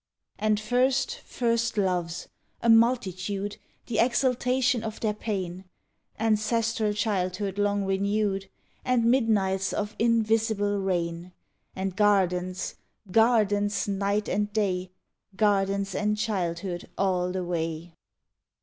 And first first loves, a multitude, The exaltation of their pain; Ancestral childhood long renewed; And midnights of invisible rain; And gardens, gardens, night and day, Gardens and childhood all the way.